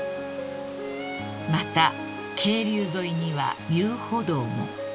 ［また渓流沿いには遊歩道も］